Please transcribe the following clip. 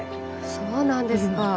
そうなんですか。